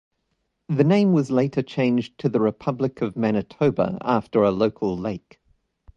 The name was later changed to the Republic of Manitobah, after a local lake.